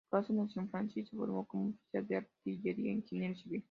Crozet nació en Francia y se formó como oficial de artillería e ingeniero civil.